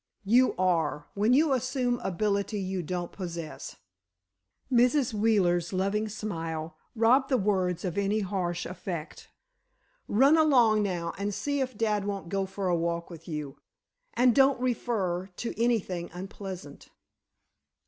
"You are, when you assume ability you don't possess." Mrs. Wheeler's loving smile robbed the words of any harsh effect. "Run along now, and see if dad won't go for a walk with you; and don't refer to anything unpleasant."